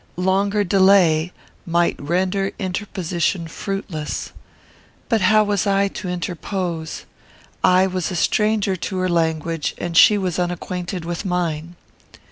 Longer delay might render interposition fruitless. But how was I to interpose? I was a stranger to her language, and she was unacquainted with mine.